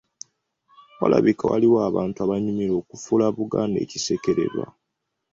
Walabika waliwo abantu abanyumirwa okufuula Buganda ekisekererwa.